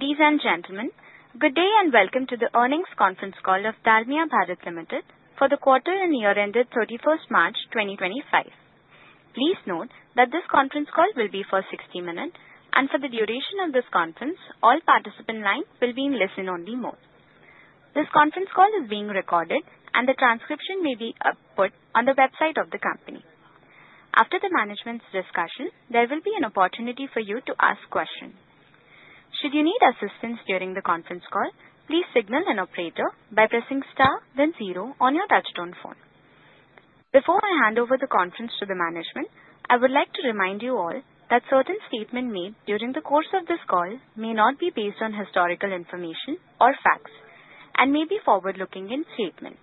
Ladies and gentlemen, good day and welcome to the Earnings Conference Call of Dalmia Bharat Limited for the quarter and year ended 31st March 2025. Please note that this conference call will be for 60 minutes, and for the duration of this conference, all participants' lines will be in listen-only mode. This conference call is being recorded, and the transcription may be put on the website of the company. After the management's discussion, there will be an opportunity for you to ask questions. Should you need assistance during the conference call, please signal an operator by pressing star, then zero on your touchstone phone. Before I hand over the conference to the management, I would like to remind you all that certain statements made during the course of this call may not be based on historical information or facts and may be forward-looking statements.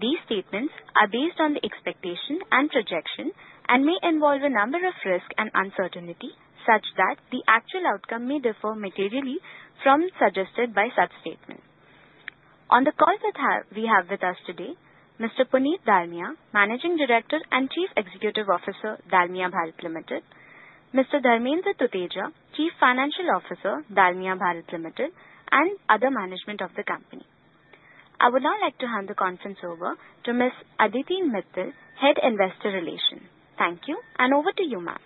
These statements are based on the expectation and projection and may involve a number of risks and uncertainties such that the actual outcome may differ materially from suggested by such statements. On the call that we have with us today: Mr. Puneet Dalmia, Managing Director and Chief Executive Officer, Dalmia Bharat Limited; Mr. Dharmendra Vartak, Chief Financial Officer, Dalmia Bharat Limited, and other management of the company. I would now like to hand the conference over to Ms. Aditi Mittal, Head Investor Relations. Thank you, and over to you, ma'am.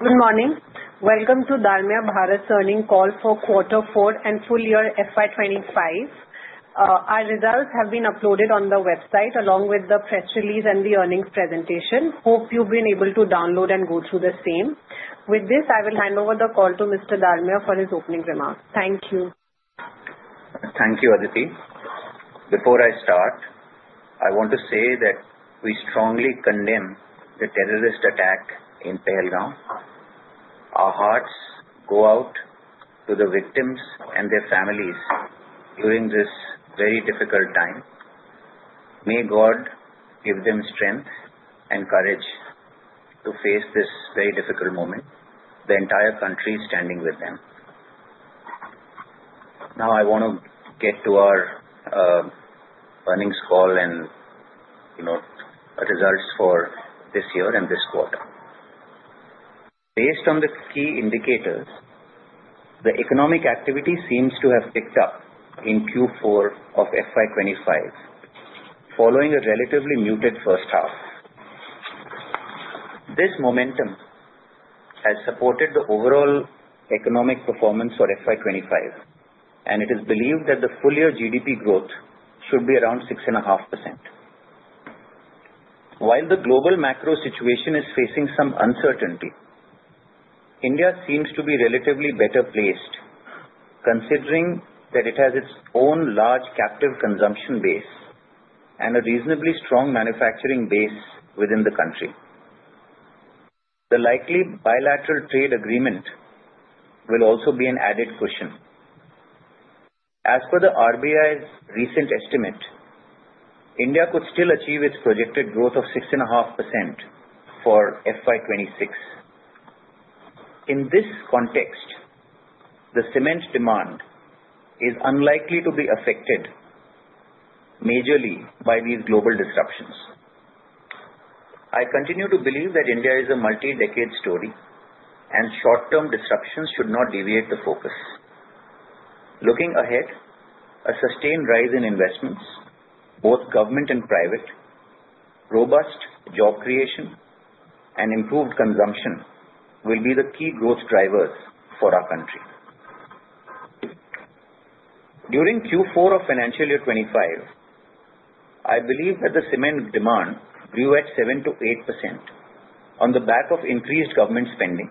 Good morning. Welcome to Dalmia Bharat's earnings call for Q4 and full year FY2025. Our results have been uploaded on the website along with the press release and the earnings presentation. Hope you've been able to download and go through the same. With this, I will hand over the call to Mr. Dalmia for his opening remarks. Thank you. Thank you, Aditi. Before I start, I want to say that we strongly condemn the terrorist attack in Pahalgam. Our hearts go out to the victims and their families during this very difficult time. May God give them strength and courage to face this very difficult moment, the entire country standing with them. Now, I want to get to our earnings call and results for this year and this quarter. Based on the key indicators, the economic activity seems to have picked up in Q4 of FY2025, following a relatively muted first half. This momentum has supported the overall economic performance for FY2025, and it is believed that the full year GDP growth should be around 6.5%. While the global macro situation is facing some uncertainty, India seems to be relatively better placed, considering that it has its own large captive consumption base and a reasonably strong manufacturing base within the country. The likely bilateral trade agreement will also be an added cushion. As per the RBI's recent estimate, India could still achieve its projected growth of 6.5% for FY2026. In this context, the cement demand is unlikely to be affected majorly by these global disruptions. I continue to believe that India is a multi-decade story, and short-term disruptions should not deviate the focus. Looking ahead, a sustained rise in investments, both government and private, robust job creation, and improved consumption will be the key growth drivers for our country. During Q4 of financial year 2025, I believe that the cement demand grew at 7%-8% on the back of increased government spending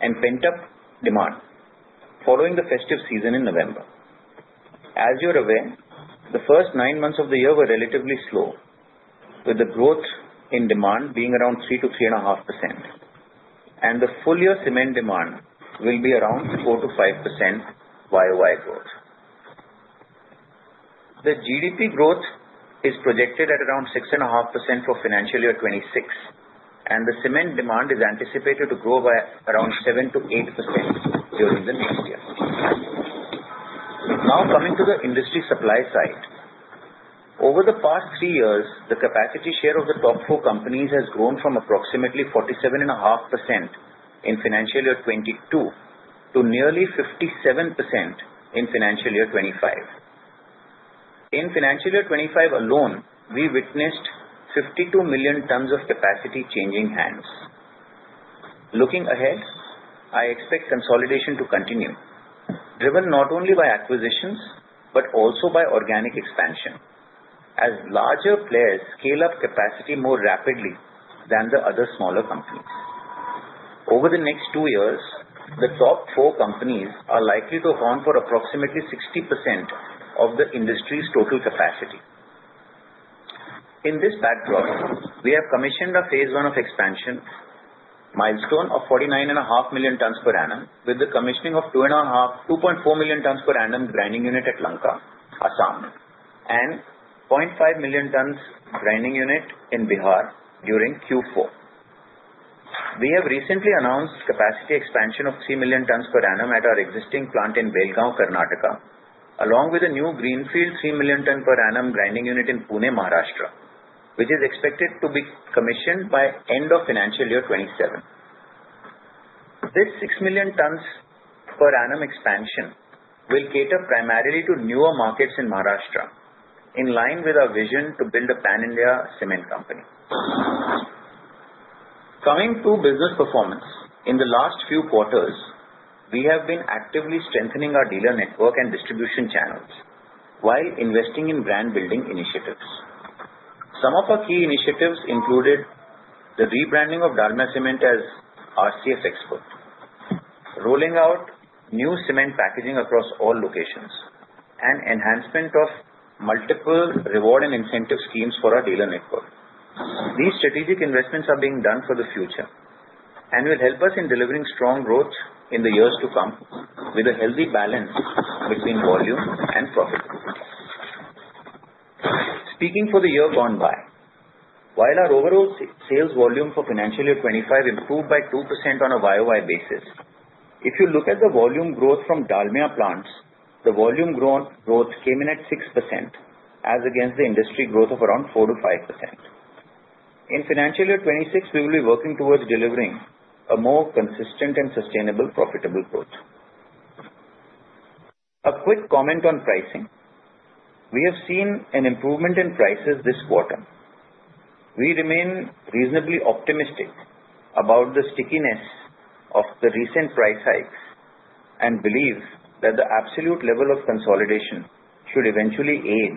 and pent-up demand following the festive season in November. As you're aware, the first nine months of the year were relatively slow, with the growth in demand being around 3%-3.5%, and the full year cement demand will be around 4%-5% YoY growth. The GDP growth is projected at around 6.5% for financial year 2026, and the cement demand is anticipated to grow by around 7%-8% during the next year. Now, coming to the industry supply side, over the past three years, the capacity share of the top four companies has grown from approximately 47.5% in financial year 2022 to nearly 57% in financial year 2025. In financial year 2025 alone, we witnessed 52 million tons of capacity changing hands. Looking ahead, I expect consolidation to continue, driven not only by acquisitions but also by organic expansion, as larger players scale up capacity more rapidly than the other smaller companies. Over the next two years, the top four companies are likely to account for approximately 60% of the industry's total capacity. In this backdrop, we have commissioned a phase one of expansion, milestone of 49.5 million tons per annum, with the commissioning of 2.4 million tons per annum grinding unit at Lanka, Assam, and 0.5 million tons per annum grinding unit in Bihar during Q4. We have recently announced capacity expansion of 3 million tons per annum at our existing plant in Belgaum, Karnataka, along with a new greenfield 3 million tons per annum grinding unit in Pune, Maharashtra, which is expected to be commissioned by the end of financial year 2027. This 6 million tons per annum expansion will cater primarily to newer markets in Maharashtra, in line with our vision to build a pan-India cement company. Coming to business performance, in the last few quarters, we have been actively strengthening our dealer network and distribution channels while investing in brand-building initiatives. Some of our key initiatives included the rebranding of Dalmia Cement as RCF Expert, rolling out new cement packaging across all locations, and enhancement of multiple reward and incentive schemes for our dealer network. These strategic investments are being done for the future and will help us in delivering strong growth in the years to come with a healthy balance between volume and profitability. Speaking for the year gone by, while our overall sales volume for financial year 2025 improved by 2% on a YoY basis, if you look at the volume growth from Dalmia plants, the volume growth came in at 6%, as against the industry growth of around 4%-5%. In financial year 2026, we will be working towards delivering a more consistent and sustainable profitable growth. A quick comment on pricing: we have seen an improvement in prices this quarter. We remain reasonably optimistic about the stickiness of the recent price hikes and believe that the absolute level of consolidation should eventually aid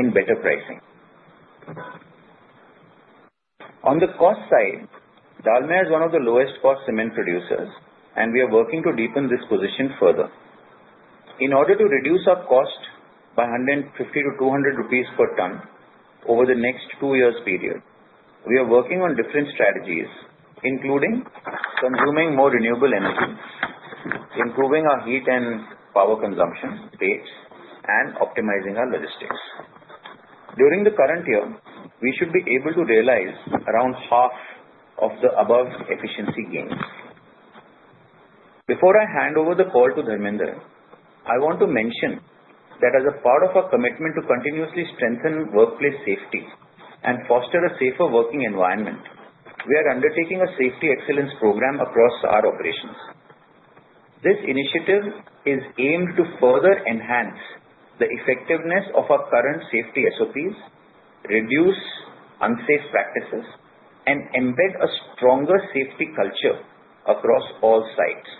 in better pricing. On the cost side, Dalmia is one of the lowest-cost cement producers, and we are working to deepen this position further. In order to reduce our cost by 150-200 rupees per ton over the next two years' period, we are working on different strategies, including consuming more renewable energy, improving our heat and power consumption rates, and optimizing our logistics. During the current year, we should be able to realize around half of the above efficiency gains. Before I hand over the call to Dharmendra, I want to mention that as a part of our commitment to continuously strengthen workplace safety and foster a safer working environment, we are undertaking a safety excellence program across our operations. This initiative is aimed to further enhance the effectiveness of our current safety SOPs, reduce unsafe practices, and embed a stronger safety culture across all sites.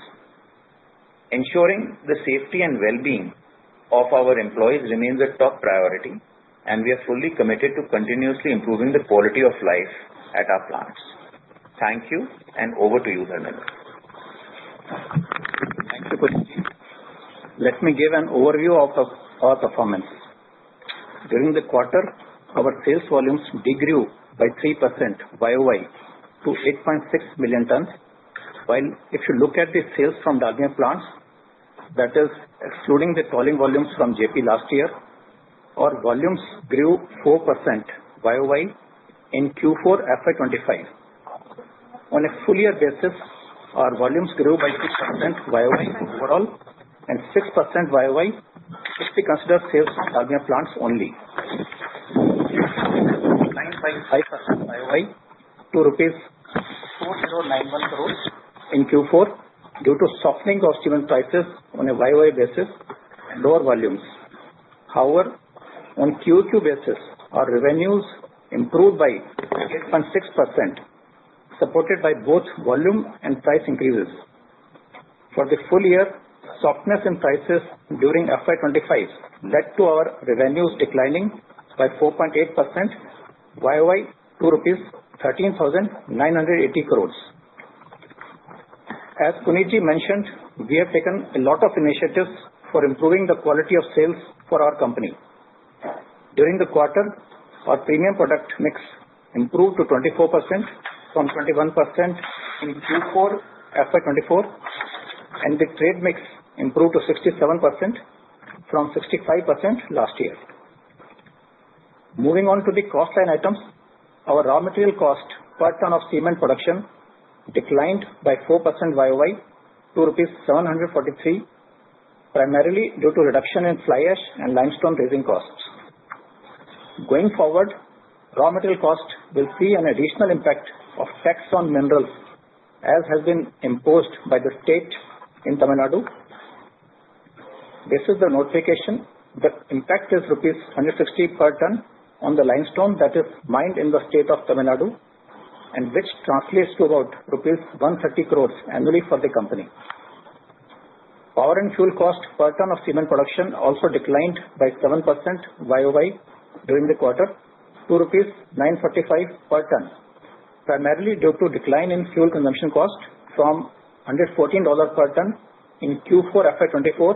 Ensuring the safety and well-being of our employees remains a top priority, and we are fully committed to continuously improving the quality of life at our plants. Thank you, and over to you, Dharmendra. Thank you, Puneet Ji. Let me give an overview of our performance. During the quarter, our sales volumes degrew YoY to 8.6 million tons, while if you look at the sales from Dalmia plants, that is excluding the calling volumes from JP last year, our volumes YoY in Q4 FY2025. On a full year basis, our volumes grew YoY overall, YoY if we consider sales from Dalmia plants only. We have YoY to INR 4,091 crore in Q4 due to softening of cement prices YoY basis and lower volumes. However, on a quarter two basis, our revenues improved by 28.6%, supported by both volume and price increases. For the full year, softness in prices during FY2025 led to our revenues declining YoY to INR 13,980 crore. As Puneet Ji mentioned, we have taken a lot of initiatives for improving the quality of sales for our company. During the quarter, our premium product mix improved to 24% from 21% in Q4 2024, and the trade mix improved to 67% from 65% last year. Moving on to the cost line items, our raw material cost per ton of cement production declined YoY to 743, primarily due to reduction in fly ash and limestone raising costs. Going forward, raw material cost will see an additional impact of tax on minerals, as has been imposed by the state in Tamil Nadu. This is the notification. The impact is rupees 160 per ton on the limestone that is mined in the state of Tamil Nadu, and which translates to about rupees 130 crore annually for the company. Power and fuel cost per ton of cement production also declined by 7% YoY during the quarter to rupees 945 per ton, primarily due to a decline in fuel consumption cost from $114 per ton in Q4 FY2024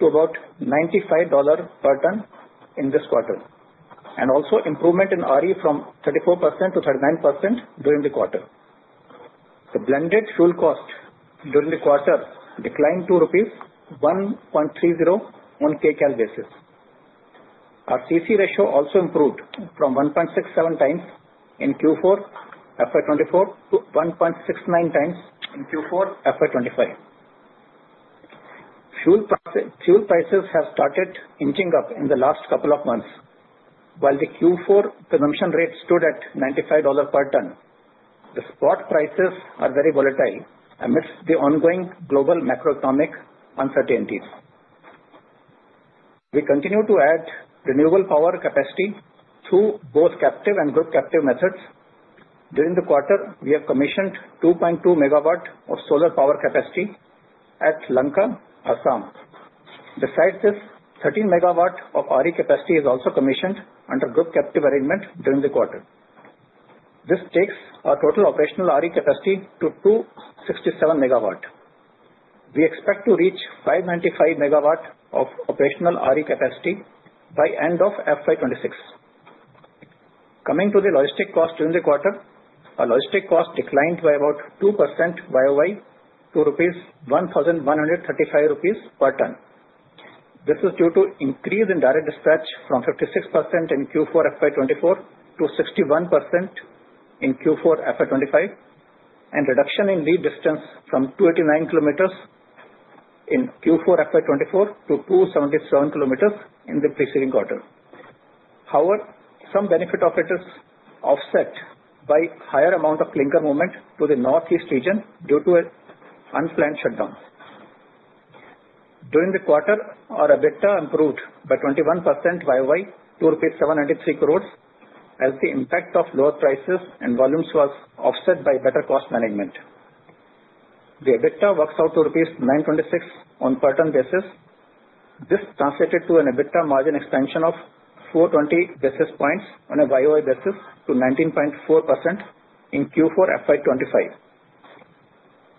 to about $95 per ton in this quarter, and also improvement in RE from 34% to 39% during the quarter. The blended fuel cost during the quarter declined to rupees 1.30 on kcal basis. Our CC ratio also improved from 1.67x in Q4 FY2024 to 1.69x in Q4 FY2025. Fuel prices have started inching up in the last couple of months, while the Q4 consumption rate stood at $95 per ton. The spot prices are very volatile amidst the ongoing global macroeconomic uncertainties. We continue to add renewable power capacity through both captive and group captive methods. During the quarter, we have commissioned 2.2 MW of solar power capacity at Lanka, Assam. Besides this, 13 MW of RE capacity is also commissioned under group captive arrangement during the quarter. This takes our total operational RE capacity to 267 MW. We expect to reach 595 MW of operational RE capacity by the end of FY2026. Coming to the logistic cost during the quarter, our logistic cost declined by YoY to 1,135 rupees per ton. This is due to an increase in direct dispatch from 56% in Q4 FY2024 to 61% in Q4 FY2025, and reduction in lead distance from 289 km in Q4 FY2024 to 277 km in the preceding quarter. However, some benefit was offset by a higher amount of clinker movement to the Northeast Region due to an unplanned shutdown. During the quarter, our EBITDA improved YoY to rupees 793 crores, as the impact of lower prices and volumes was offset by better cost management. The EBITDA works out to rupees 926 on a per ton basis. This translated to an EBITDA margin expansion of 420 basis points YoY basis to 19.4% in Q4 FY2025.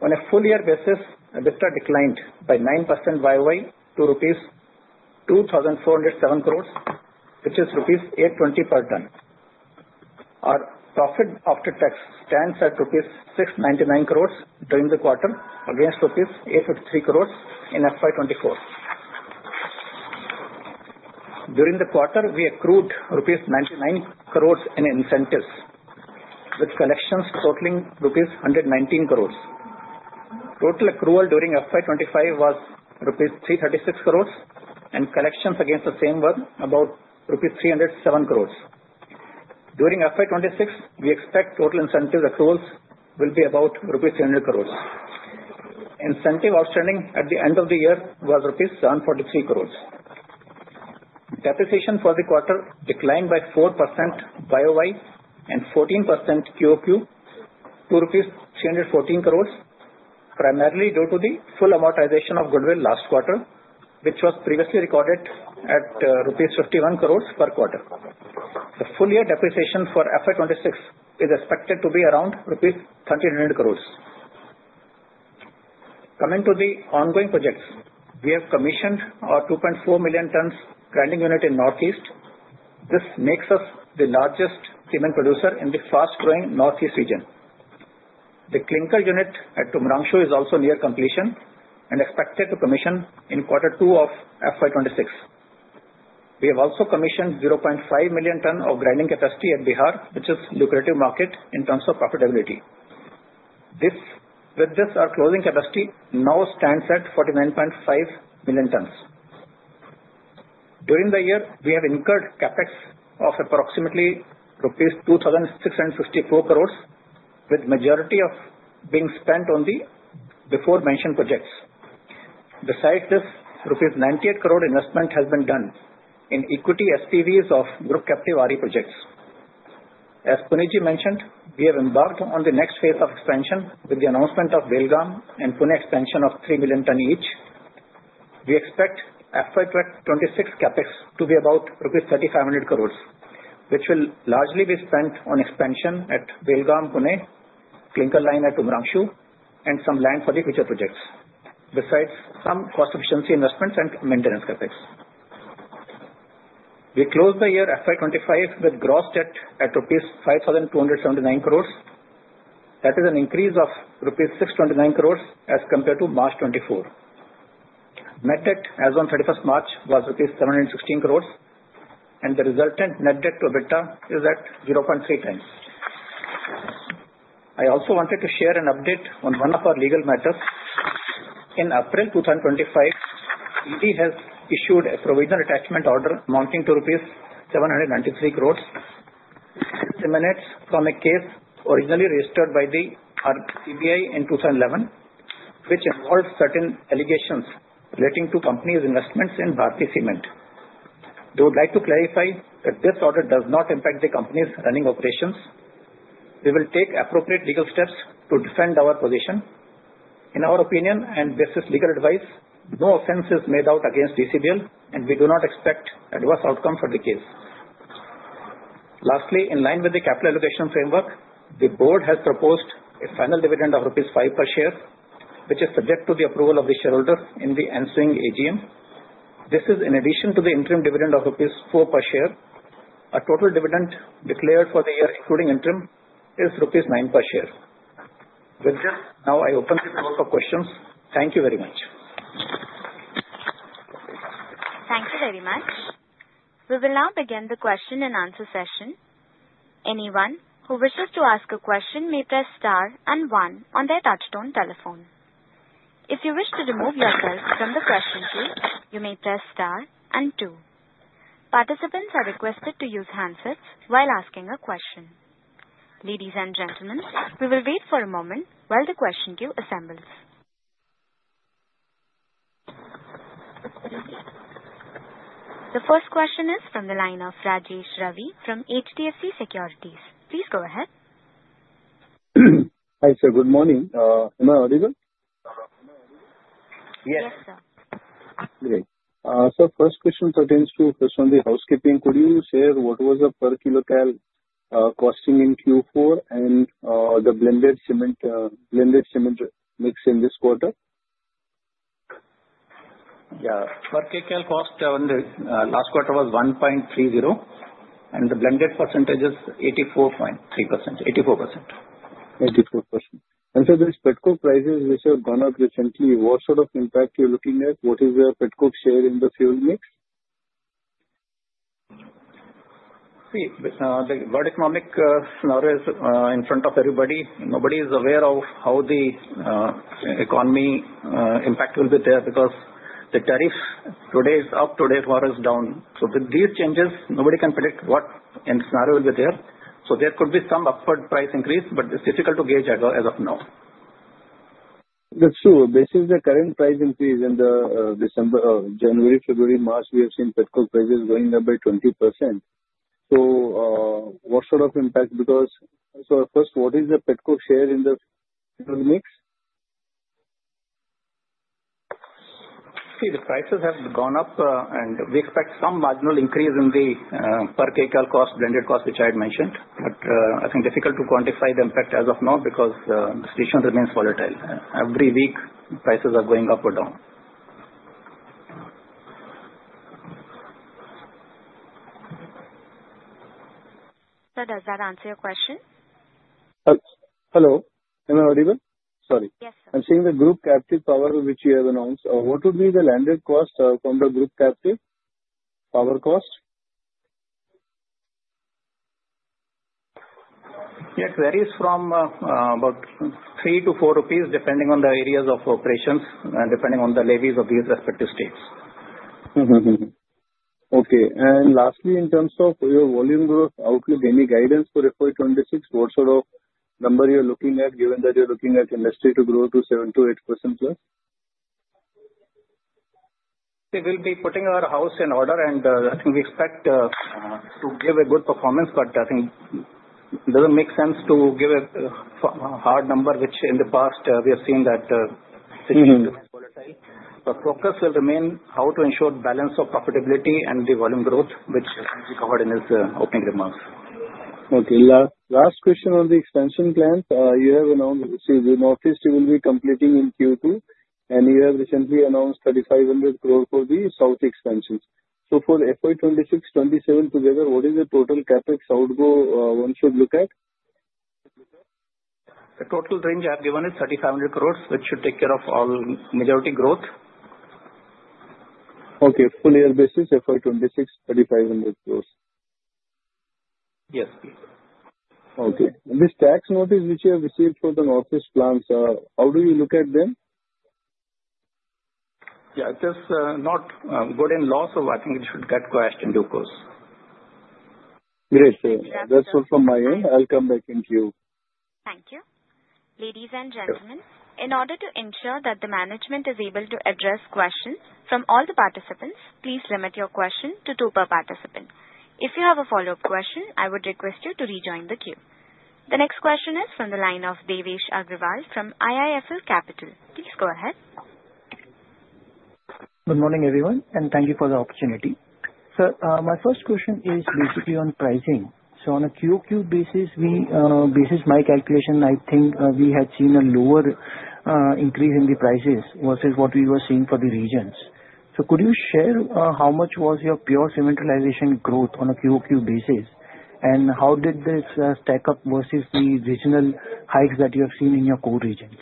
On a full year basis, EBITDA declined YoY to rupees 2,407 crores, which is rupees 820 per ton. Our profit after tax stands at rupees 699 crores during the quarter against rupees 853 crores in FY24. During the quarter, we accrued rupees 99 crores in incentives, with collections totaling rupees 119 crores. Total accrual during FY2025 was rupees 336 crores, and collections against the same were about rupees 307 crores. During FY2026, we expect total incentive accruals will be about rupees 300 crores. Incentive outstanding at the end of the year was rupees 743 crores. Depreciation for the quarter declined YoY and 14% QoQ to 314 crores, primarily due to the full amortization of goodwill last quarter, which was previously recorded at rupees 51 crores per quarter. The full year depreciation for FY 2026 is expected to be around rupees 390 crores. Coming to the ongoing projects, we have commissioned our 2.4 million tons grinding unit in the Northeast. This makes us the largest cement producer in the fast-growing Northeast Region. The clinker unit at Tumarangshu is also near completion and expected to commission in quarter two of FY 2026. We have also commissioned 0.5 million tons of grinding capacity at Bihar, which is a lucrative market in terms of profitability. With this, our closing capacity now stands at 49.5 million tons. During the year, we have incurred CapEx of approximately rupees 2,654 crore, with the majority being spent on the before-mentioned projects. Besides this, rupees 98 crore investment has been done in equity SPVs of group captive RE projects. As Puneet Ji mentioned, we have embarked on the next phase of expansion with the announcement of Belgaum and Pune expansion of 3 million ton each. We expect FY2026 CapEx to be about 3,500 crore, which will largely be spent on expansion at Belgaum, Pune, clinker line at Tumarangshu, and some land for the future projects, besides some cost efficiency investments and maintenance CapEx. We closed the year FY2025 with gross debt at rupees 5,279 crore. That is an increase of rupees 629 crore as compared to March 2024. Net debt, as of 31st March, was rupees 716 crore, and the resultant net debt to EBITDA is at 0.3x. I also wanted to share an update on one of our legal matters. In April 2025, ED has issued a provisional attachment order amounting to rupees 793 crore. This emanates from a case originally registered by the CBI in 2011, which involved certain allegations relating to the company's investments in Bharathi Cement. We would like to clarify that this order does not impact the company's running operations. We will take appropriate legal steps to defend our position. In our opinion and basis legal advice, no offense is made out against DCBL, and we do not expect adverse outcomes for the case. Lastly, in line with the capital allocation framework, the board has proposed a final dividend of rupees 5 per share, which is subject to the approval of the shareholders in the ensuing AGM. This is in addition to the interim dividend of rupees 4 per share. Our total dividend declared for the year, including interim, is rupees 9 per share. With this, now I open the floor for questions. Thank you very much. Thank you very much. We will now begin the question and answer session. Anyone who wishes to ask a question may press star and one on their touchstone telephone. If you wish to remove yourself from the question queue, you may press star and two. Participants are requested to use handsets while asking a question. Ladies and gentlemen, we will wait for a moment while the question queue assembles. The first question is from the line of Rajesh Ravi from HDFC Securities. Please go ahead. Hi, sir. Good morning. Am I audible? Yes. Yes, sir. Great. Sir, first question pertains to, first of all, the housekeeping. Could you share what was the per kilocal costing in Q4 and the blended cement mix in this quarter? Yeah. Per kcal cost last quarter was 1.30, and the blended percentage is 84.3%. 84%. 84%. Sir, these petcoke prices which have gone up recently, what sort of impact are you looking at? What is the petcoke share in the fuel mix? See, the world economic scenario is in front of everybody. Nobody is aware of how the economy impact will be there because the tariff today is up, today tomorrow is down. With these changes, nobody can predict what the scenario will be there. There could be some upward price increase, but it's difficult to gauge as of now. That's true. Based on the current price increase in December, January, February, March, we have seen petcoke prices going up by 20%. What sort of impact? Because first, what is the petcoke share in the fuel mix? See, the prices have gone up, and we expect some marginal increase in the per kcal cost, blended cost, which I had mentioned. I think it's difficult to quantify the impact as of now because the situation remains volatile. Every week, prices are going up or down. Sir, does that answer your question? Hello. Am I audible? Sorry. Yes, sir. I'm seeing the group captive power which you have announced. What would be the landed cost from the group captive power cost? Yes, it varies from about 3-4 rupees depending on the areas of operations and depending on the levies of these respective states. Okay. Lastly, in terms of your volume growth outlook, any guidance for FY2026? What sort of number are you looking at given that you're looking at industry to grow to 7%-8%+? We will be putting our house in order, and I think we expect to give a good performance. I think it does not make sense to give a hard number, which in the past we have seen that the situation remains volatile. The focus will remain on how to ensure the balance of profitability and the volume growth, which we covered in his opening remarks. Okay. Last question on the expansion plans. You have announced, see, the Northeast you will be completing in Q2, and you have recently announced 3,500 crores for the South expansion. For FY2026, 27 together, what is the total CapEx outgo one should look at? The total range I have given is 3,500 crore, which should take care of all majority growth. Okay. Full year basis, FY2026, 3,500 crores? Yes, please. Okay. This tax notice which you have received for the Northeast plants, how do you look at them? Yeah, it is not good in law, so I think it should get questioned in due course. Great. That's all from my end. I'll come back in queue. Thank you. Ladies and gentlemen, in order to ensure that the management is able to address questions from all the participants, please limit your question to two per participant. If you have a follow-up question, I would request you to rejoin the queue. The next question is from the line of Devesh Agarwal from IIFL Capital. Please go ahead. Good morning, everyone, and thank you for the opportunity. Sir, my first question is basically on pricing. On a QoQ basis, my calculation, I think we had seen a lower increase in the prices versus what we were seeing for the regions. Could you share how much was your pure cement realization growth on a QoQ basis, and how did this stack up versus the regional hikes that you have seen in your core regions?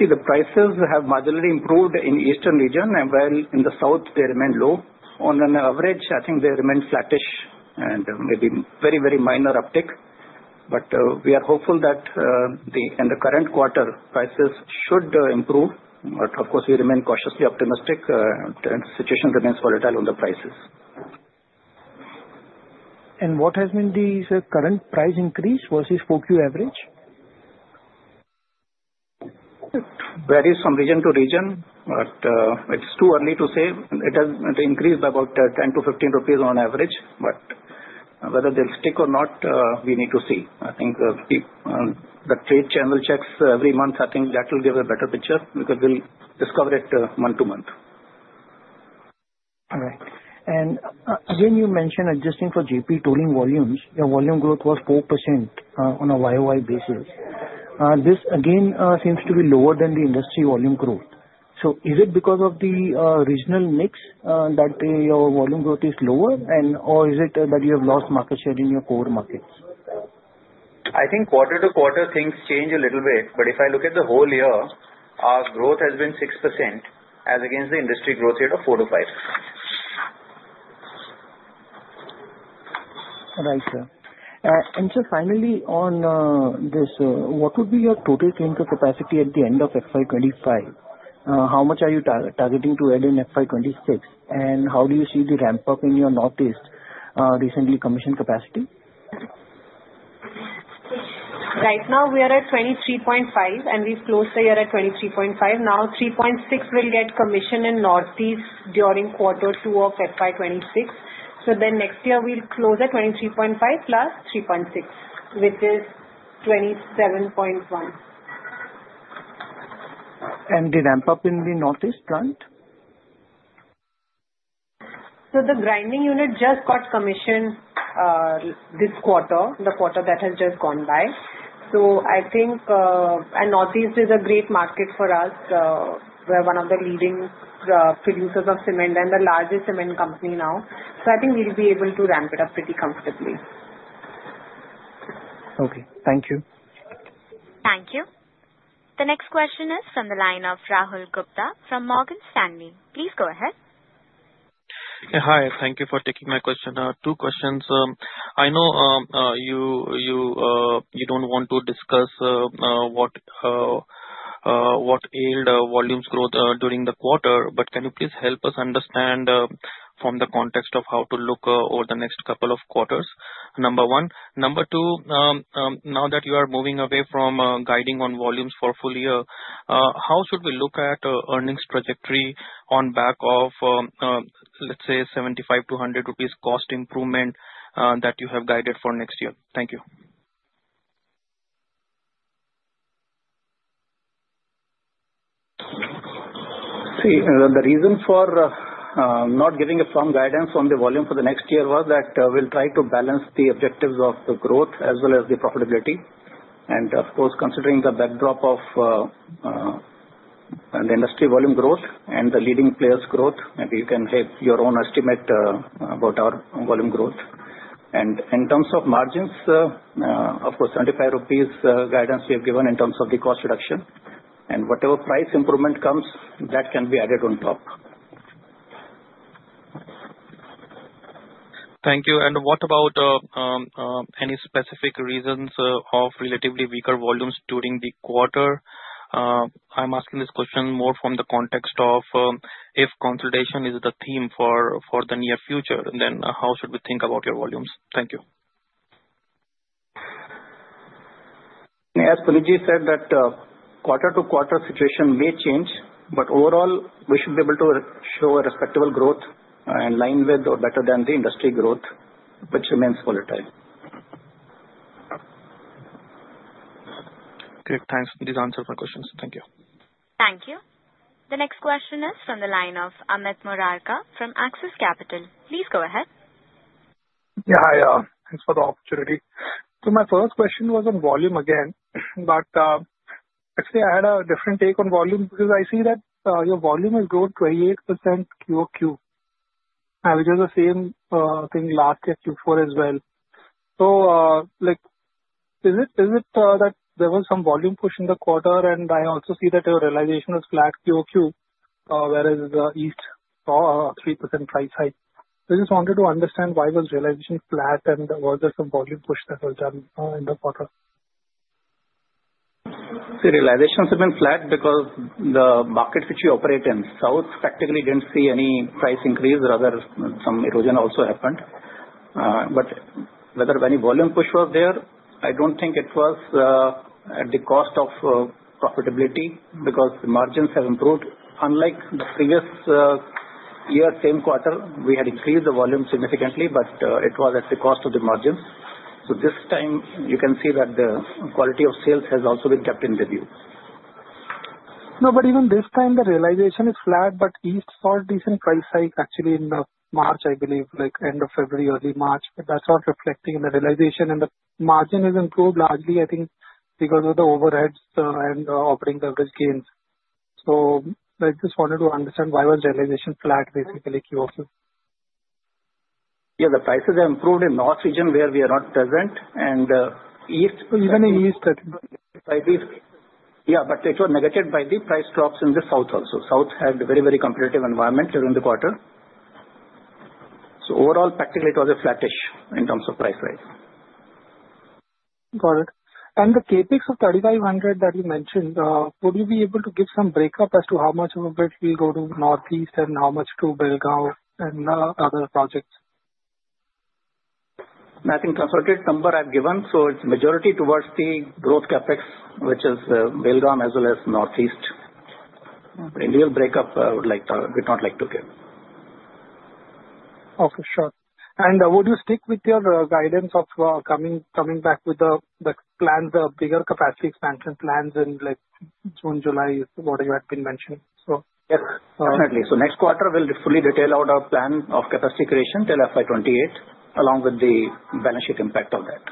See, the prices have marginally improved in the Eastern region, while in the South, they remain low. On an average, I think they remain flattish and maybe very, very minor uptick. We are hopeful that in the current quarter, prices should improve. Of course, we remain cautiously optimistic, and the situation remains volatile on the prices. What has been the current price increase versus QoQ average? It varies from region to region, but it's too early to say. It has increased by about 10-15 rupees on average. Whether they'll stick or not, we need to see. I think the trade channel checks every month, I think that will give a better picture because we'll discover it month to month. All right. Again, you mentioned adjusting for JP tooling volumes. Your volume growth was 4% on a YOY basis. This again seems to be lower than the industry volume growth. Is it because of the regional mix that your volume growth is lower, or is it that you have lost market share in your core markets? I think quarter to quarter, things change a little bit. If I look at the whole year, our growth has been 6%, as against the industry growth rate of 4%-5%. Right, sir. Sir, finally, on this, what would be your total clinker capacity at the end of FY2025? How much are you targeting to add in FY2026? How do you see the ramp-up in your Northeast recently commissioned capacity? Right now, we are at 23.5, and we have closed the year at 23.5. Now, 3.6 will get commissioned in Northeast during quarter two of FY 2026. Next year, we will close at 23.5 + 3.6, which is 27.1. The ramp-up in the Northeast plant? The grinding unit just got commissioned this quarter, the quarter that has just gone by. I think Northeast is a great market for us. We're one of the leading producers of cement and the largest cement company now. I think we'll be able to ramp it up pretty comfortably. Okay. Thank you. Thank you. The next question is from the line of Rahul Gupta from Morgan Stanley. Please go ahead. Hi. Thank you for taking my question. Two questions. I know you don't want to discuss what ailed volumes growth during the quarter, but can you please help us understand from the context of how to look over the next couple of quarters? Number one. Number two, now that you are moving away from guiding on volumes for full year, how should we look at earnings trajectory on back of, let's say, 75-100 rupees cost improvement that you have guided for next year? Thank you. See, the reason for not giving a firm guidance on the volume for the next year was that we'll try to balance the objectives of the growth as well as the profitability. Of course, considering the backdrop of the industry volume growth and the leading players' growth, maybe you can have your own estimate about our volume growth. In terms of margins, of course, 75 rupees guidance we have given in terms of the cost reduction. Whatever price improvement comes, that can be added on top. Thank you. What about any specific reasons of relatively weaker volumes during the quarter? I'm asking this question more from the context of if consolidation is the theme for the near future, then how should we think about your volumes? Thank you. As Puneet Ji said, that quarter to quarter situation may change, but overall, we should be able to show a respectable growth in line with or better than the industry growth, which remains volatile. Great. Thanks. This answers my questions. Thank you. Thank you. The next question is from the line of Amit Murarka from Axis Capital. Please go ahead. Yeah. Hi. Thanks for the opportunity. My first question was on volume again. Actually, I had a different take on volume because I see that your volume has grown 28% QoQ, which is the same thing last year Q4 as well. Is it that there was some volume push in the quarter, and I also see that your realization was flat QoQ, whereas the Nast saw a 3% price hike? I just wanted to understand why was realization flat, and was there some volume push that was done in the quarter? See, realization has been flat because the market which we operate in, South, practically did not see any price increase. Rather, some erosion also happened. Whether any volume push was there, I do not think it was at the cost of profitability because the margins have improved. Unlike the previous year, same quarter, we had increased the volume significantly, but it was at the cost of the margins. This time, you can see that the quality of sales has also been kept in review. No, even this time, the realization is flat, but East saw a decent price hike, actually, in March, I believe, end of February, early March. That is not reflecting in the realization, and the margin has improved largely, I think, because of the overheads and operating leverage gains. I just wanted to understand why was realization flat, basically, QoQ? Yeah. The prices have improved in North Region where we are not present, and East. Even in East. Yeah, but it was negated by the price drops in the South also. South had a very, very competitive environment during the quarter. Overall, practically, it was flattish in terms of price hike. Got it. The CapEx of 3,500 that you mentioned, would you be able to give some breakup as to how much of it will go to Northeast and how much to Belgaum and other projects? I think the associate number I've given, so it's majority towards the growth CapEx, which is Belgaum as well as Northeast. In real breakup, I would not like to give. Okay. Sure. Would you stick with your guidance of coming back with the bigger capacity expansion plans in June, July, whatever you had been mentioning? Yes. Definitely. Next quarter, we'll fully detail out our plan of capacity creation till FY2028, along with the balance sheet impact of that.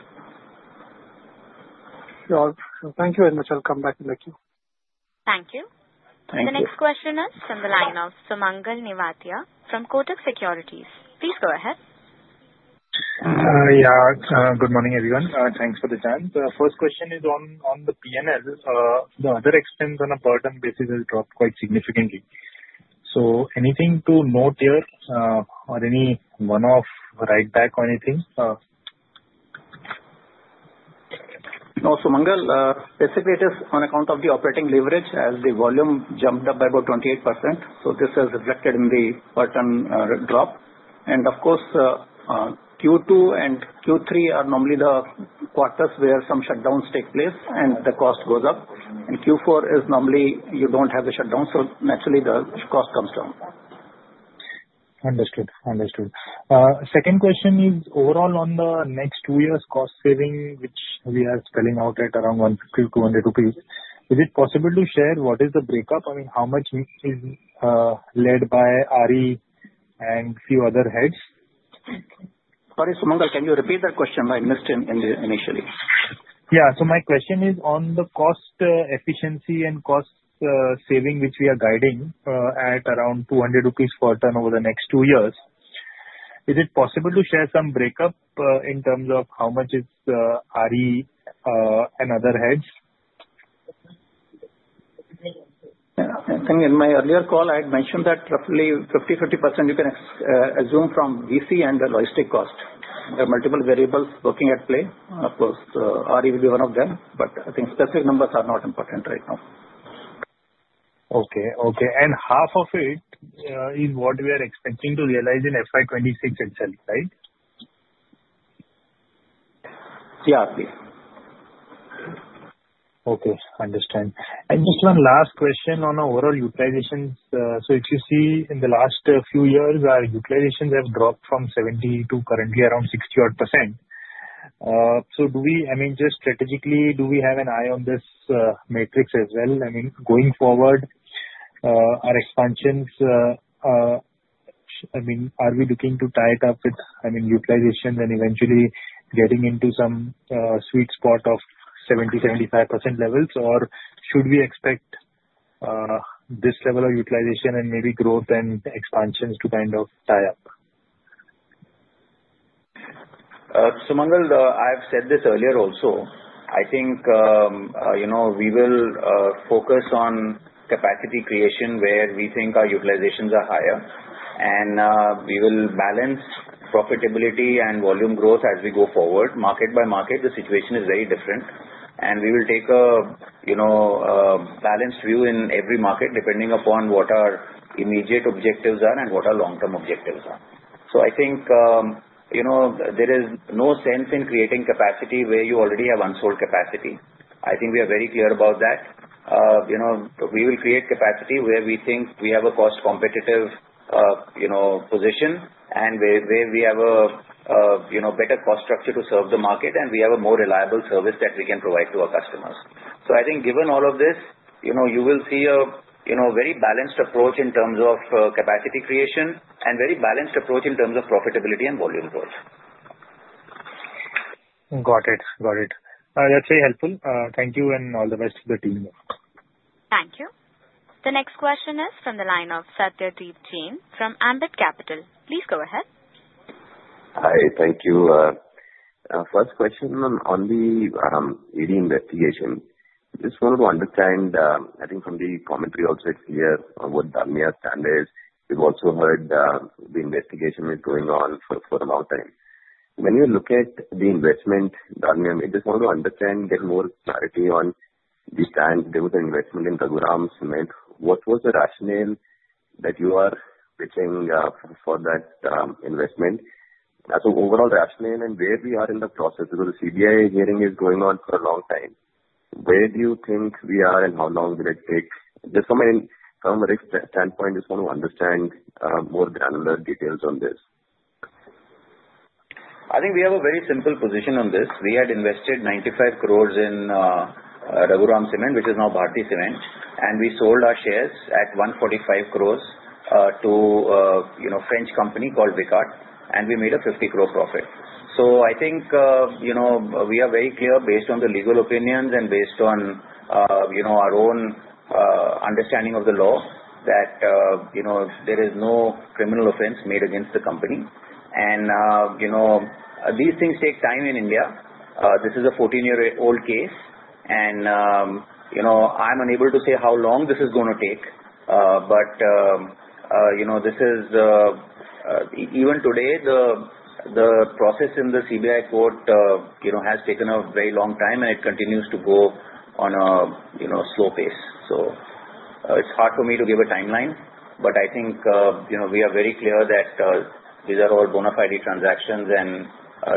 Sure. Thank you very much. I'll come back in the queue. Thank you. Thank you. The next question is from the line of Sumangal Nevatia from Kotak Securities. Please go ahead. Yeah. Good morning, everyone. Thanks for the time. The first question is on the P&L. The other expense on a burden basis has dropped quite significantly. Anything to note here or any one-off right back or anything? No, Sumangal. Basically, it is on account of the operating leverage as the volume jumped up by about 28%. This has reflected in the burden drop. Of course, Q2 and Q3 are normally the quarters where some shutdowns take place and the cost goes up. Q4 is normally you do not have a shutdown, so naturally, the cost comes down. Understood. Understood. Second question is overall on the next two years' cost saving, which we are spelling out at around 150-200 rupees. Is it possible to share what is the breakup? I mean, how much is led by RE and a few other heads? Sorry, Sumangal, can you repeat that question? I missed it initially. Yeah. My question is on the cost efficiency and cost saving, which we are guiding at around 200 rupees for a turnover the next two years. Is it possible to share some breakup in terms of how much is RE and other heads? I think in my earlier call, I had mentioned that roughly 50%, 50% you can assume from VC and the logistic cost. There are multiple variables working at play. Of course, RE will be one of them, but I think specific numbers are not important right now. Okay. Okay. And half of it is what we are expecting to realize in FY2026 itself, right? Yeah, please. Okay. Understood. Just one last question on our utilizations. If you see in the last few years, our utilizations have dropped from 70% to currently around 60 to odd percent. Do we, I mean, just strategically, do we have an eye on this matrix as well? I mean, going forward, our expansions, I mean, are we looking to tie it up with, I mean, utilization and eventually getting into some sweet spot of 70%-75% levels, or should we expect this level of utilization and maybe growth and expansions to kind of tie up? Sumangal, I've said this earlier also. I think we will focus on capacity creation where we think our utilizations are higher, and we will balance profitability and volume growth as we go forward. Market by market, the situation is very different. We will take a balanced view in every market depending upon what our immediate objectives are and what our long-term objectives are. I think there is no sense in creating capacity where you already have unsold capacity. I think we are very clear about that. We will create capacity where we think we have a cost-competitive position and where we have a better cost structure to serve the market, and we have a more reliable service that we can provide to our customers. I think given all of this, you will see a very balanced approach in terms of capacity creation and a very balanced approach in terms of profitability and volume growth. Got it. Got it. That's very helpful. Thank you, and all the best to the team. Thank you. The next question is from the line of Satyadeep Jain from Ambit Capital. Please go ahead. Hi. Thank you. First question on the investigation. Just wanted to understand, I think from the commentary also, it's clear what Dalmia stand is. We've also heard the investigation is going on for a long time. When you look at the investment, Dalmia, I just want to understand, get more clarity on the stand, there was an investment in Raghuram Cement. What was the rationale that you are pitching for that investment? Overall rationale and where we are in the process, because the CBI hearing is going on for a long time. Where do you think we are and how long will it take? Just from a risk standpoint, just want to understand more granular details on this. I think we have a very simple position on this. We had invested 95 crores in Raghuram Cement, which is now Bharathi Cement, and we sold our shares at 145 crore to a French company called Vicat, and we made an 50 crore profit. I think we are very clear based on the legal opinions and based on our own understanding of the law that there is no criminal offense made against the company. These things take time in India. This is a 14-year-old case, and I'm unable to say how long this is going to take, but even today, the process in the CBI court has taken a very long time, and it continues to go on at a slow pace. It is hard for me to give a timeline, but I think we are very clear that these are all bona fide transactions, and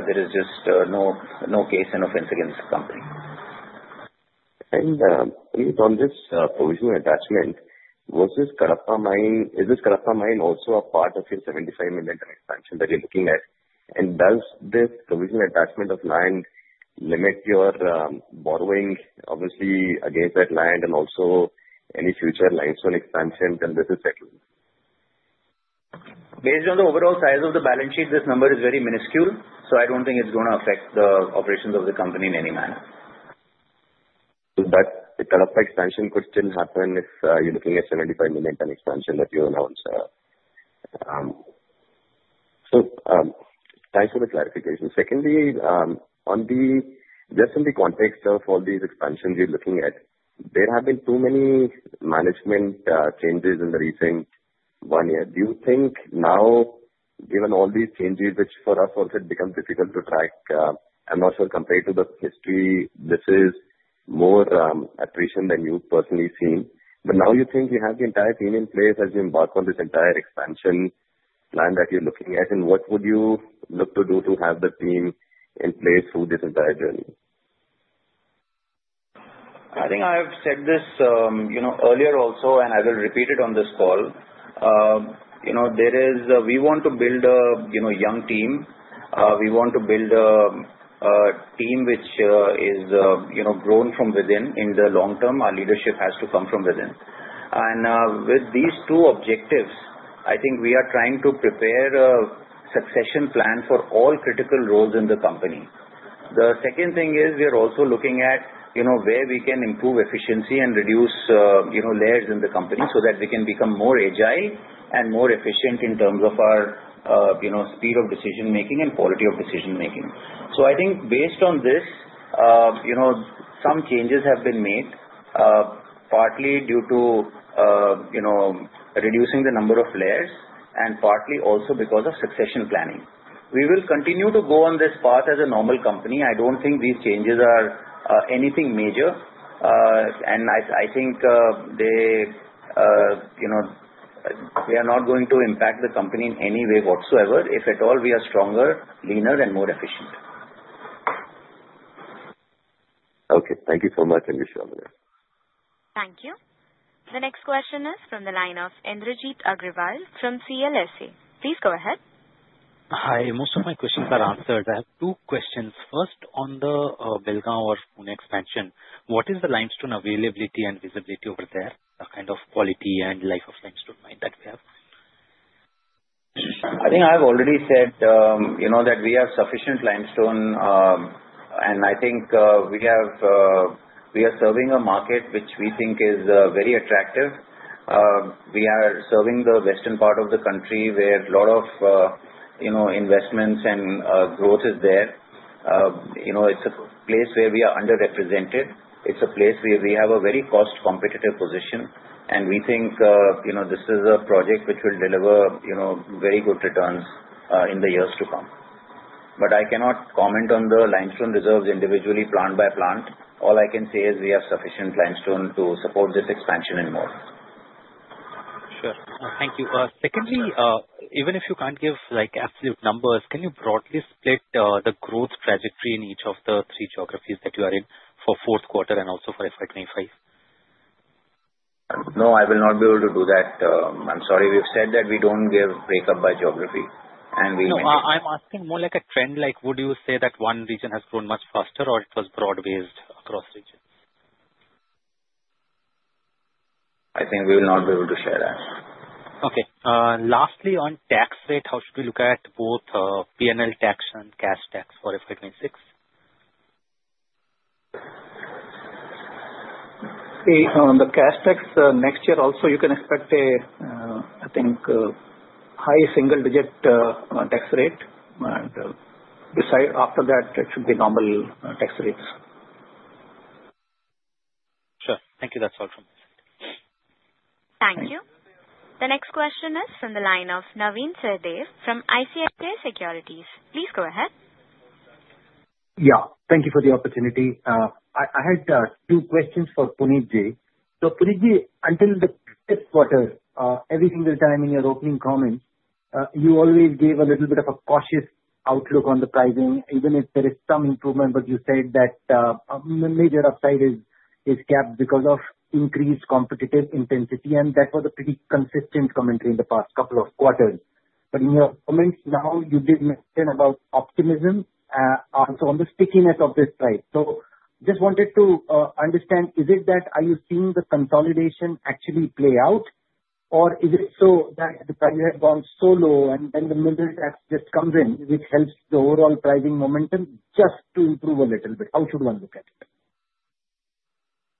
there is just no case and offense against the company. Based on this provisional attachment, was this Kadapa mine? Is this Kadapa mine also a part of your 75 million expansion that you're looking at? Does this provisional attachment of land limit your borrowing, obviously, against that land and also any future limestone expansion until this is settled? Based on the overall size of the balance sheet, this number is very minuscule, so I don't think it's going to affect the operations of the company in any manner. The Kadapa expansion could still happen if you're looking at 75 million expansion that you announced. Thanks for the clarification. Secondly, just in the context of all these expansions you're looking at, there have been too many management changes in the recent one year. Do you think now, given all these changes, which for us also becomes difficult to track, I'm not sure compared to the history, this is more attrition than you've personally seen. Now you think you have the entire team in place as you embark on this entire expansion plan that you're looking at, and what would you look to do to have the team in place through this entire journey? I think I have said this earlier also, and I will repeat it on this call. We want to build a young team. We want to build a team which is grown from within in the long term. Our leadership has to come from within. With these two objectives, I think we are trying to prepare a succession plan for all critical roles in the company. The second thing is we are also looking at where we can improve efficiency and reduce layers in the company so that we can become more agile and more efficient in terms of our speed of decision-making and quality of decision-making. I think based on this, some changes have been made, partly due to reducing the number of layers and partly also because of succession planning. We will continue to go on this path as a normal company. I don't think these changes are anything major, and I think they are not going to impact the company in any way whatsoever. If at all, we are stronger, leaner, and more efficient. Okay. Thank you so much, Satyadeep. Thank you. The next question is from the line of Indrajit Agarwal from CLSA. Please go ahead. Hi. Most of my questions are answered. I have two questions. First, on the Belgaum or Pune expansion, what is the limestone availability and visibility over there, the kind of quality and life of limestone mine that we have? I think I have already said that we have sufficient limestone, and I think we are serving a market which we think is very attractive. We are serving the Western part of the country where a lot of investments and growth is there. It's a place where we are underrepresented. It's a place where we have a very cost-competitive position, and we think this is a project which will deliver very good returns in the years to come. I cannot comment on the limestone reserves individually, plant by plant. All I can say is we have sufficient limestone to support this expansion and more. Sure. Thank you. Secondly, even if you can't give absolute numbers, can you broadly split the growth trajectory in each of the three geographies that you are in for fourth quarter and also for FY2025? No, I will not be able to do that. I'm sorry. We've said that we don't give breakup by geography, and we mentioned. I'm asking more like a trend. Would you say that one region has grown much faster or it was broad-based across regions? I think we will not be able to share that. Okay. Lastly, on tax rate, how should we look at both P&L tax and cash tax for FY2026? The cash tax next year also, you can expect a, I think, high single-digit tax rate. After that, it should be normal tax rates. Sure. Thank you. That's all from my side. Thank you. The next question is from the line of Navin Sahadeo from ICICI Securities. Please go ahead. Yeah. Thank you for the opportunity. I had two questions for Puneet Ji. So Puneet Ji, until the fifth quarter, every single time in your opening comments, you always gave a little bit of a cautious outlook on the pricing, even if there is some improvement, but you said that major upside is capped because of increased competitive intensity, and that was a pretty consistent commentary in the past couple of quarters. In your comments now, you did mention about optimism and also on the stickiness of this price. I just wanted to understand, is it that are you seeing the consolidation actually play out, or is it so that the price has gone so low and then the mineral tax just comes in, which helps the overall pricing momentum just to improve a little bit? How should one look at it?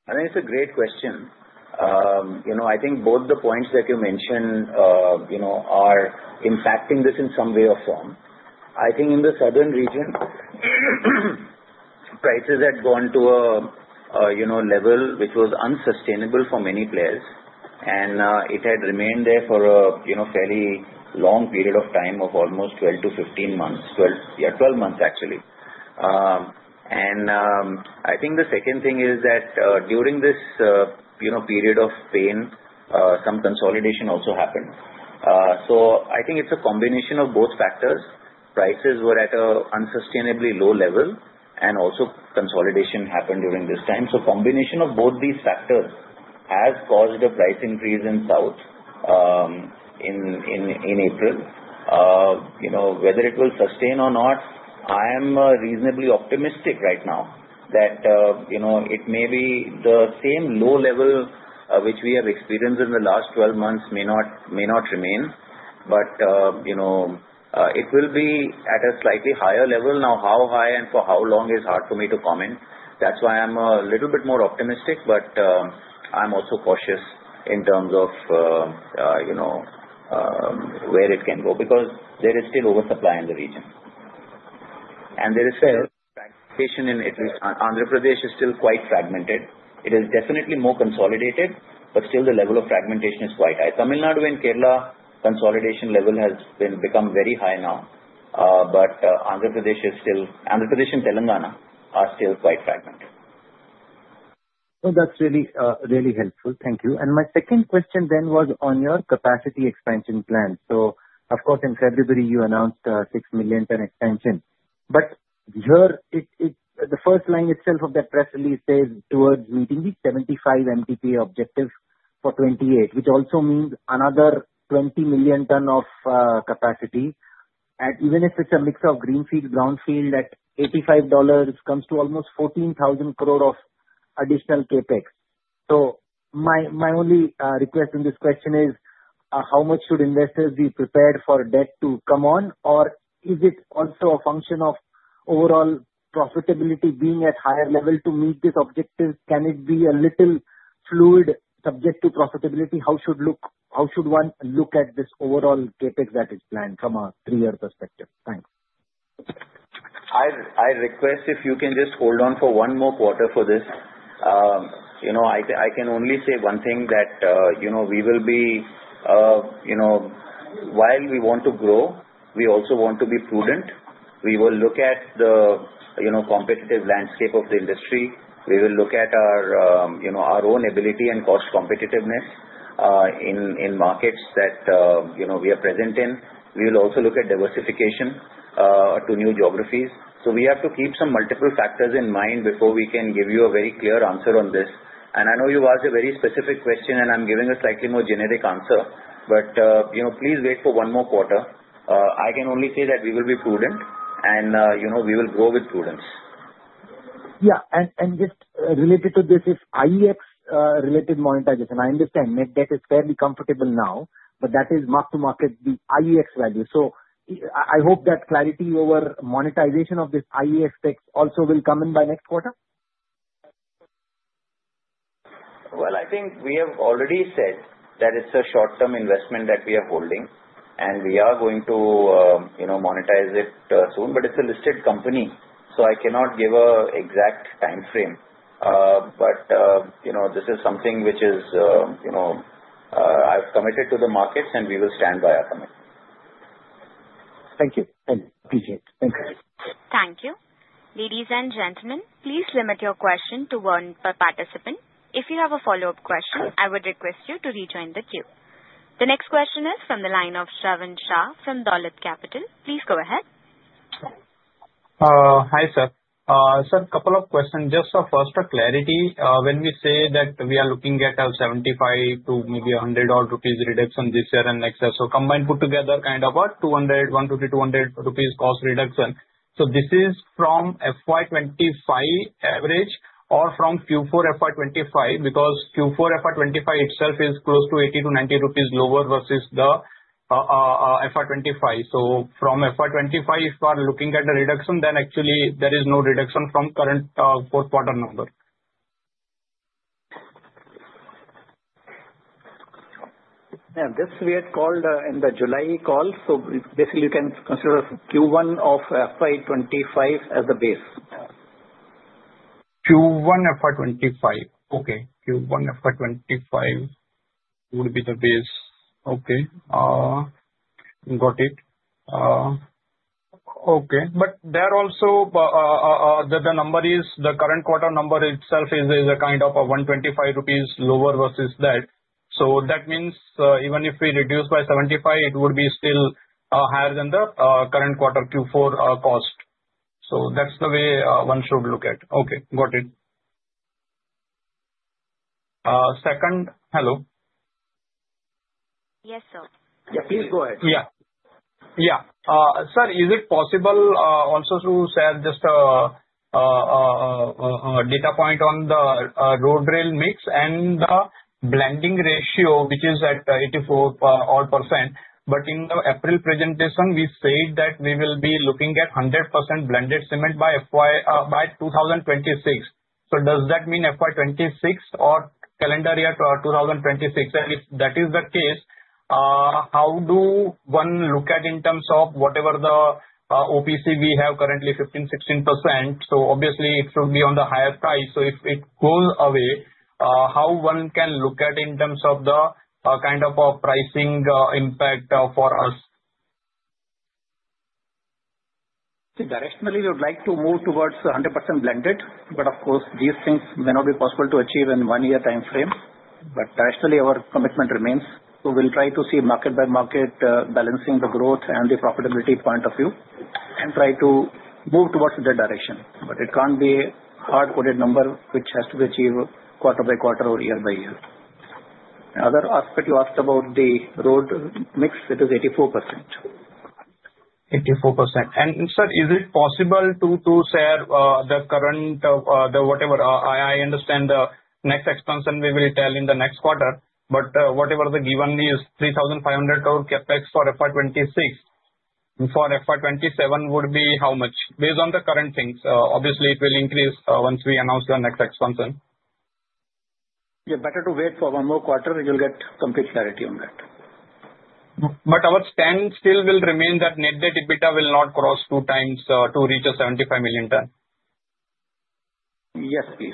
I think it's a great question. I think both the points that you mentioned are impacting this in some way or form. I think in the Southern region, prices had gone to a level which was unsustainable for many players, and it had remained there for a fairly long period of time of almost 12-15 months. Yeah, 12 months, actually. I think the second thing is that during this period of pain, some consolidation also happened. I think it's a combination of both factors. Prices were at an unsustainably low level, and also consolidation happened during this time. A combination of both these factors has caused a price increase in South in April. Whether it will sustain or not, I am reasonably optimistic right now that it may be the same low level which we have experienced in the last 12 months may not remain, but it will be at a slightly higher level. Now, how high and for how long is hard for me to comment. That is why I am a little bit more optimistic, but I am also cautious in terms of where it can go because there is still oversupply in the region. There is still fragmentation in at least Andhra Pradesh, it is still quite fragmented. It is definitely more consolidated, but still the level of fragmentation is quite high. Tamil Nadu and Kerala consolidation level has become very high now, but Andhra Pradesh and Telangana are still quite fragmented. That's really helpful. Thank you. My second question then was on your capacity expansion plan. Of course, in February, you announced a 6 million ton expansion. The first line itself of that press release says towards meeting the 75 MTPA objective for 2028, which also means another 20 million ton of capacity. Even if it's a mix of greenfield, brownfield at $85, it comes to almost 14,000 crore of additional CapEx. My only request in this question is, how much should investors be prepared for debt to come on, or is it also a function of overall profitability being at higher level to meet this objective? Can it be a little fluid subject to profitability? How should one look at this overall CapEx that is planned from a three-year perspective? Thanks. I request if you can just hold on for one more quarter for this. I can only say one thing that we will be, while we want to grow, we also want to be prudent. We will look at the competitive landscape of the industry. We will look at our own ability and cost competitiveness in markets that we are present in. We will also look at diversification to new geographies. We have to keep some multiple factors in mind before we can give you a very clear answer on this. I know you asked a very specific question, and I'm giving a slightly more generic answer, but please wait for one more quarter. I can only say that we will be prudent, and we will grow with prudence. Yeah. Just related to this, this IEX-related monetization, I understand NetDebt is fairly comfortable now, but that is mark-to-market, the IEX value. I hope that clarity over monetization of this IEX tax also will come in by next quarter. I think we have already said that it's a short-term investment that we are holding, and we are going to monetize it soon, but it's a listed company, so I cannot give an exact time frame. This is something which I've committed to the markets, and we will stand by our commitment. Thank you. Appreciate it. Thank you. Thank you. Ladies and gentlemen, please limit your question to one per participant. If you have a follow-up question, I would request you to rejoin the queue. The next question is from the line of Shravan Shah from Dolat Capital. Please go ahead. Hi, sir. Sir, a couple of questions. Just first, for clarity, when we say that we are looking at a 75-100 rupees reduction this year and next year, so combined put together kind of a 200 rupees, 50-200 rupees cost reduction. This is from FY2025 average or from Q4 FY2025 because Q4 FY2025 itself is close to 80-90 rupees lower versus the FY2025. From FY2025, if you are looking at the reduction, then actually there is no reduction from current fourth quarter number. Yeah. This we had called in the July call. You can consider Q1 of FY2025 as the base. Q1 FY2025. Okay. Q1 FY2025 would be the base. Okay. Got it. Okay. There also, the number is the current quarter number itself is a kind of 125 rupees lower versus that. That means even if we reduce by 75, it would be still higher than the current quarter Q4 cost. That is the way one should look at it. Okay. Got it. Second. Hello. Yes, sir. Yeah. Please go ahead. Yeah. Yeah. Sir, is it possible also to share just a data point on the road rail mix and the blending ratio, which is at 84%? In the April presentation, we said that we will be looking at 100% blended cement by 2026. Does that mean FY 2026 or calendar year 2026? If that is the case, how do one look at in terms of whatever the OPC we have currently, 15%-16%? Obviously, it should be on the higher price. If it goes away, how one can look at in terms of the kind of pricing impact for us? See, directionally, we would like to move towards 100% blended, but of course, these things may not be possible to achieve in a one-year time frame. Directionally, our commitment remains. We'll try to see market by market, balancing the growth and the profitability point of view, and try to move towards that direction. It can't be a hard-coded number which has to be achieved quarter by quarter or year by year. Another aspect you asked about the road mix, it is 84%. 84%. Sir, is it possible to share the current whatever? I understand the next expansion we will tell in the next quarter, but whatever the given is, 3,500 crore CapEx for FY2026, for FY27 would be how much? Based on the current things, obviously, it will increase once we announce the next expansion. Yeah. Better to wait for one more quarter. We will get complete clarity on that. Our stand still will remain that NetDebt EBITDA will not cross 2x to reach a 75 million ton. Yes, please.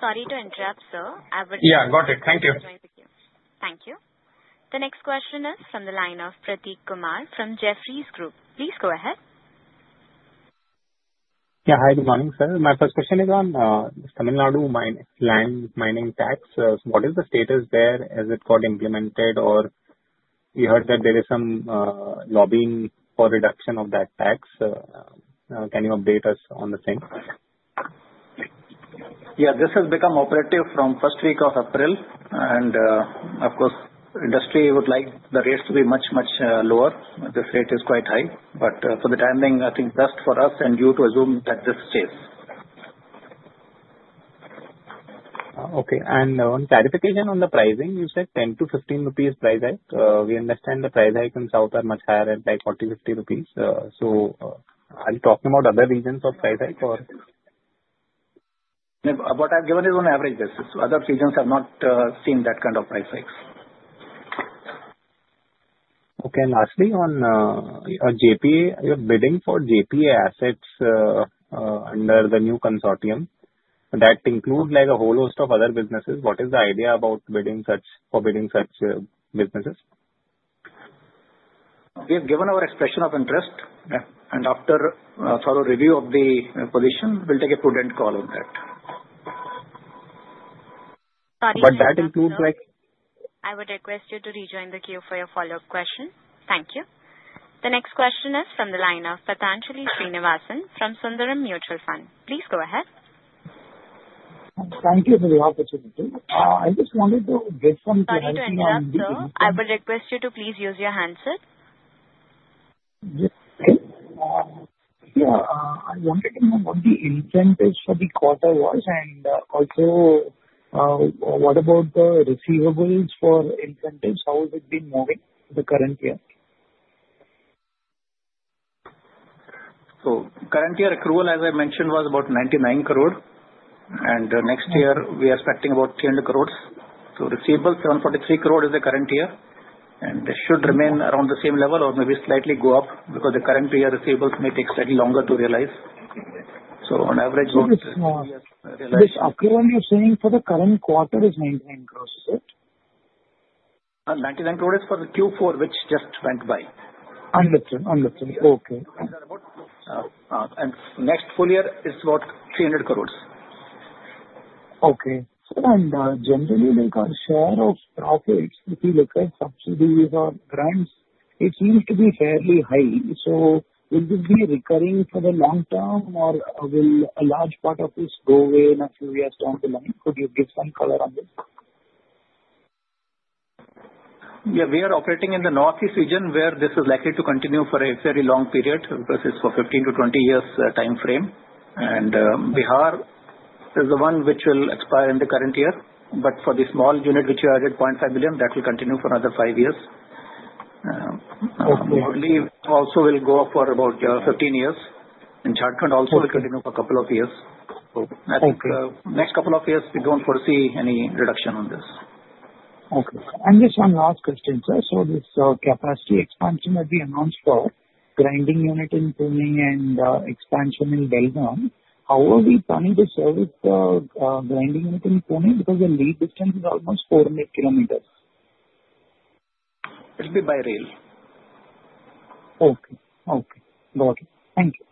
Sorry to interrupt, sir. I would. Yeah. Got it. Thank you. That's why I'm with you. Thank you. The next question is from the line of Prateek Kumar from Jefferies Group. Please go ahead. Yeah. Hi, good morning, sir. My first question is on Tamil Nadu mining tax. What is the status there? Has it got implemented or we heard that there is some lobbying for reduction of that tax? Can you update us on the same? Yeah. This has become operative from the first week of April. Of course, industry would like the rates to be much, much lower. This rate is quite high. For the time being, I think best for us and you to assume that this stays. Okay. On clarification on the pricing, you said 10- 15 rupees price hike. We understand the price hike in South are much higher at like 40-50 rupees. Are you talking about other regions of price hike or? What I've given is on average. Other regions have not seen that kind of price hikes. Okay. Lastly, on JP, you're bidding for JP assets under the new consortium. That includes a whole host of other businesses. What is the idea about bidding such for bidding such businesses? We have given our expression of interest. After thorough review of the position, we'll take a prudent call on that. Sorry. That includes like. I would request you to rejoin the queue for your follow-up question. Thank you. The next question is from the line of Pathanjali Srinivasan from Sundaram Mutual Fund. Please go ahead. Thank you for the opportunity. I just wanted to get some clarity on the. Thank you. I will request you to please use your handset. Yes. Yeah. I wanted to know what the incentives for the quarter was and also what about the receivables for incentives? How has it been moving the current year? Current year accrual, as I mentioned, was about 99 crore. Next year, we are expecting about 300 crore. Receivables, 43 crore is the current year. They should remain around the same level or maybe slightly go up because the current year receivables may take slightly longer to realize. On average, we'll realize. This accrual you're saying for the current quarter is 99 crore, is it? 99 crore is for the Q4, which just went by. Understood. Understood. Okay. Next full year is about 300 crore. Okay. Generally, the share of profits, if you look at subsidies or grants, it seems to be fairly high. Will this be recurring for the long term or will a large part of this go away in a few years down the line? Could you give some color on this? Yeah. We are operating in the Northeast Region where this is likely to continue for a very long period because it's for 15-20 years time frame. Bihar is the one which will expire in the current year. For the small unit which you added, 0.5 million, that will continue for another five years. We believe also will go for about 15 years. Jharkhand also will continue for a couple of years. I think the next couple of years, we don't foresee any reduction on this. Okay. Just one last question, sir. This capacity expansion that we announced for the grinding unit in Pune and expansion in Belgaum, how are we planning to service the grinding unit in Pune because the lead distance is almost 400 km? It'll be by rail. Okay. Okay. Got it. Thank you.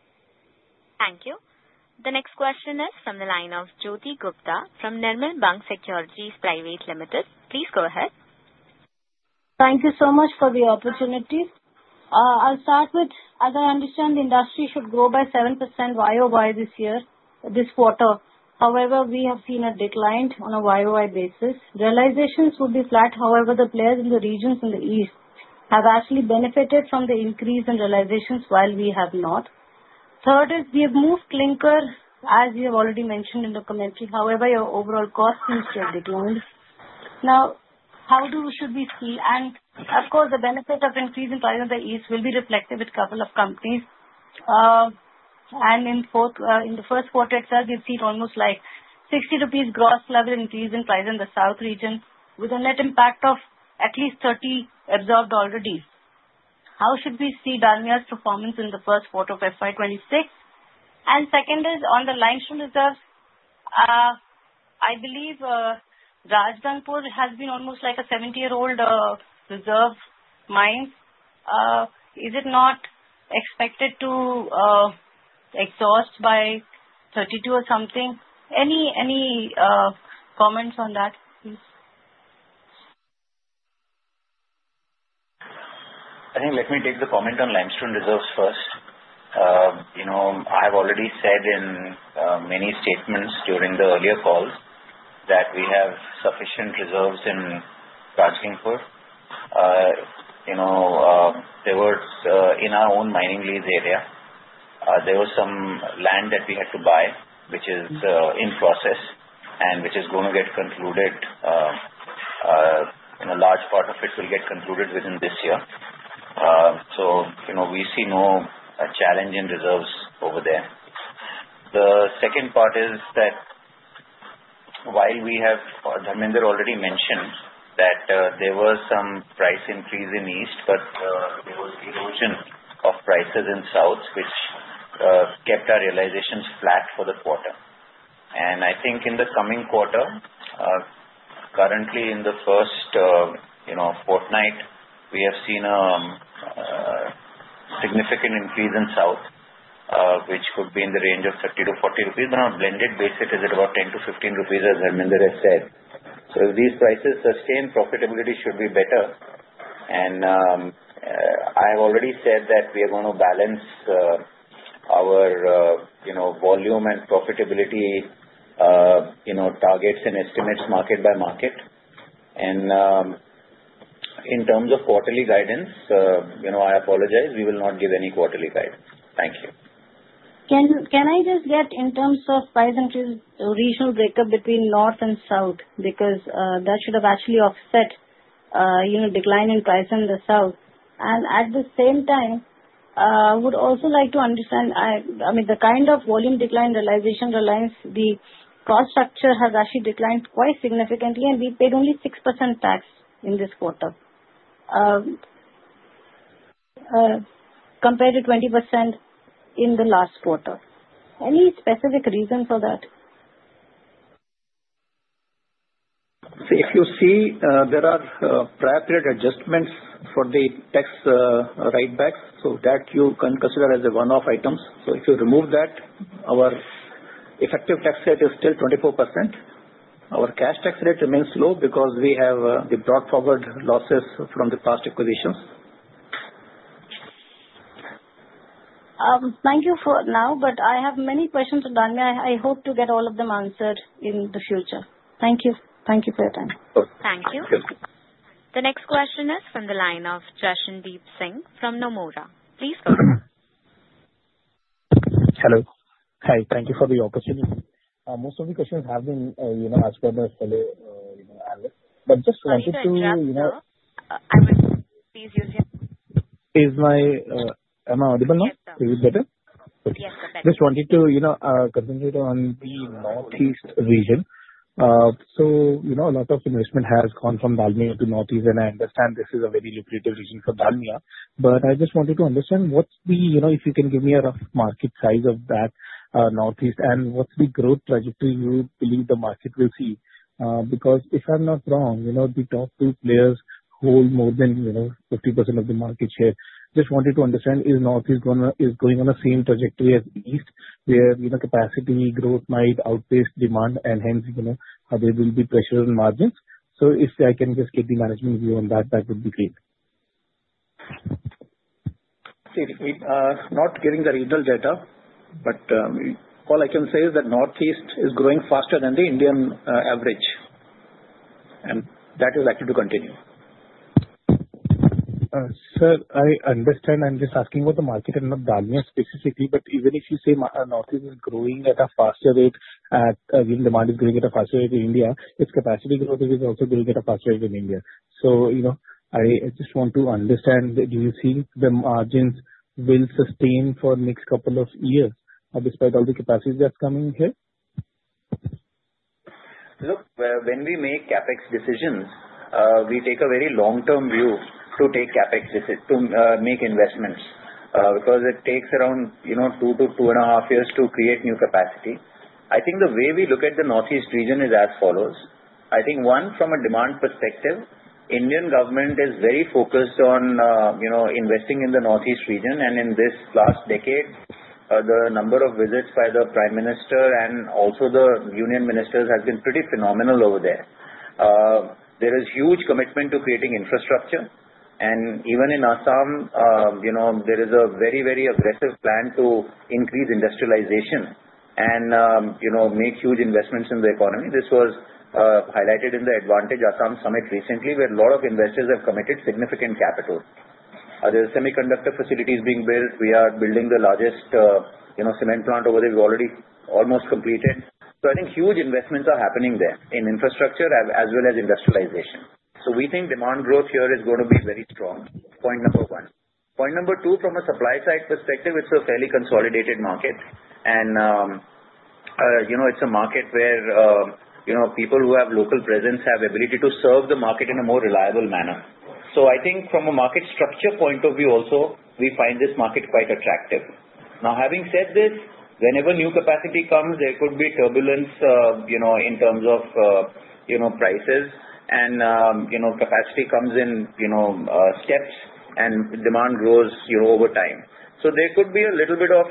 Thank you. The next question is from the line of Jyoti Gupta from Nirmal Bang Securities Private Limited. Please go ahead. Thank you so much for the opportunity. I'll start with, as I understand, the industry should grow YoY this year, this quarter. However, we have seen a decline YoY basis. Realizations would be flat. However, the players in the regions in the East have actually benefited from the increase in realizations while we have not. Third is we have moved clinker, as you have already mentioned in the commentary. However, your overall cost seems to have declined. Now, how should we see? Of course, the benefit of increase in price in the East will be reflective with a couple of companies. In the first quarter itself, we've seen almost like 60 rupees gross level increase in price in the South Region with a net impact of at least 30 absorbed already. How should we see Dalmia's performance in the first quarter of FY2026? Second is on the limestone reserves, I believe Rajgangpur has been almost like a 70-year-old reserve mine. Is it not expected to exhaust by 2032 or something? Any comments on that, please? I think let me take the comment on limestone reserves first. I have already said in many statements during the earlier calls that we have sufficient reserves in Rajgangpur. In our own mining lease area, there was some land that we had to buy, which is in process and which is going to get concluded. A large part of it will get concluded within this year. We see no challenge in reserves over there. The second part is that while we have, I mean, they already mentioned that there was some price increase in East, but there was erosion of prices in South, which kept our realizations flat for the quarter. I think in the coming quarter, currently in the first fortnight, we have seen a significant increase in South, which could be in the range of 30-40 rupees. On a blended basis, it is about 10-15 rupees, as I mean, they have said. If these prices sustain, profitability should be better. I have already said that we are going to balance our volume and profitability targets and estimates market by market. In terms of quarterly guidance, I apologize. We will not give any quarterly guidance. Thank you. Can I just get in terms of price and regional breakup between North and South? That should have actually offset decline in price in the South. At the same time, I would also like to understand, I mean, the kind of volume decline, realization, reliance, the cost structure has actually declined quite significantly, and we paid only 6% tax in this quarter compared to 20% in the last quarter. Any specific reason for that? See, if you see, there are prior period adjustments for the tax write-backs. You can consider that as a one-off item. If you remove that, our effective tax rate is still 24%. Our cash tax rate remains low because we have the brought forward losses from the past acquisitions. Thank you for now, but I have many questions on Dalmia. I hope to get all of them answered in the future. Thank you. Thank you for your time. Thank you. The next question is from the line of Jashandeep Singh from Nomura. Please go ahead. Hello. Hi. Thank you for the opportunity. Most of the questions have been asked by my fellow analysts. I just wanted to. Yes, sir. I would please use your. Is my, am I audible now? Yes, sir. Is it better? Yes, sir. Just wanted to continue on the Northeast Region. A lot of investment has gone from Dalmia to Northeast, and I understand this is a very lucrative region for Dalmia. I just wanted to understand, if you can give me a rough market size of that Northeast and what is the growth trajectory you believe the market will see? If I am not wrong, the top two players hold more than 50% of the market share. I just wanted to understand, is Northeast going on the same trajectory as East, where capacity growth might outpace demand, and hence, there will be pressure on margins? If I can just get the management view on that, that would be great. See, not getting the regional data, but all I can say is that Northeast is growing faster than the Indian average. That is likely to continue. Sir, I understand. I'm just asking about the market and not Dalmia specifically. Even if you say Northeast is growing at a faster rate, again, demand is growing at a faster rate in India, its capacity growth is also growing at a faster rate in India. I just want to understand, do you think the margins will sustain for the next couple of years despite all the capacity that's coming here? Look, when we make CapEx decisions, we take a very long-term view to take CapEx decisions, to make investments. Because it takes around two to two and a half years to create new capacity. I think the way we look at the Northeast Region is as follows. I think, one, from a demand perspective, Indian government is very focused on investing in the Northeast Region. In this last decade, the number of visits by the Prime Minister and also the union ministers has been pretty phenomenal over there. There is huge commitment to creating infrastructure. Even in Assam, there is a very, very aggressive plan to increase industrialization and make huge investments in the economy. This was highlighted in the Advantage Assam Summit recently, where a lot of investors have committed significant capital. There are semiconductor facilities being built. We are building the largest cement plant over there. We've already almost completed. I think huge investments are happening there in infrastructure as well as industrialization. We think demand growth here is going to be very strong, point number one. Point number two, from a supply-side perspective, it's a fairly consolidated market. It's a market where people who have local presence have the ability to serve the market in a more reliable manner. I think from a market structure point of view also, we find this market quite attractive. Now, having said this, whenever new capacity comes, there could be turbulence in terms of prices. Capacity comes in steps, and demand grows over time. There could be a little bit of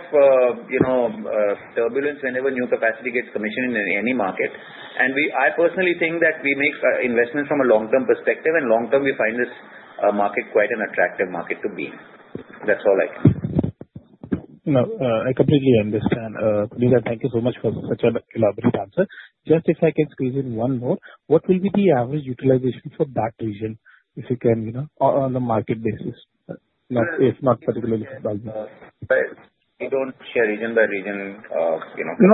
turbulence whenever new capacity gets commissioned in any market. I personally think that we make investments from a long-term perspective. Long-term, we find this market quite an attractive market to be. That's all I can. Now, I completely understand. Thank you so much for such a collaborative answer. Just if I can squeeze in one more, what will be the average utilization for that region, if you can, on a market basis, if not particularly for Dalmia? I don't share region by region.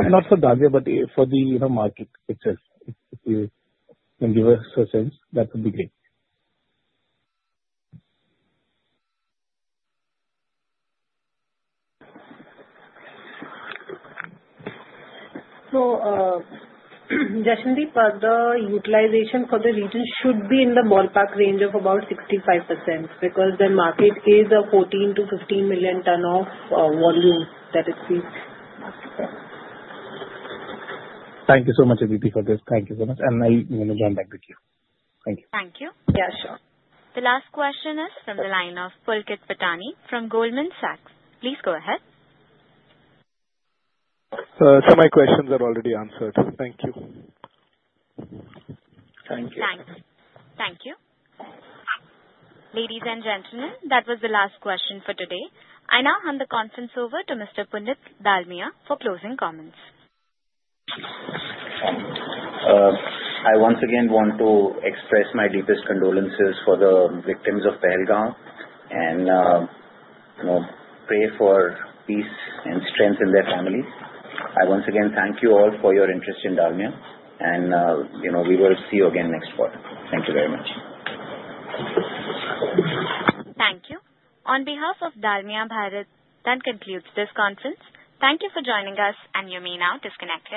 Not for Dalmia, but for the market itself. If you can give us a sense, that would be great. Jashan Deep, the utilization for the Region should be in the ballpark range of about 65% because the market is a 14 million-15 million ton of volume that it sees. Thank you so much, Aditi, for this. Thank you so much. I am going to join back with you. Thank you. Thank you. Yeah, sure. The last question is from the line of Pulkit Patni from Goldman Sachs. Please go ahead. My questions are already answered. Thank you. Thank you. Thank you. Ladies and gentlemen, that was the last question for today. I now hand the conference over to Mr. Puneet Dalmia for closing comments. I once again want to express my deepest condolences for the victims of Pahalgam and pray for peace and strength in their families. I once again thank you all for your interest in Dalmia. We will see you again next quarter. Thank you very much. Thank you. On behalf of Dalmia Bharat, that concludes this conference. Thank you for joining us, and you may now disconnect.